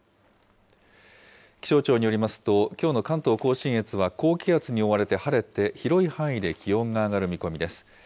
気象庁によりますと、きょうの関東甲信越は高気圧に覆われて晴れて広い範囲で気温が上がる見込みです。